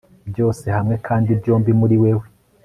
byose hamwe, kandi byombi muri wewe